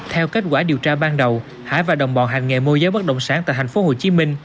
theo kết quả điều tra ban đầu hải và đồng bọn hành nghệ mua giấy bất động sản tại tp hcm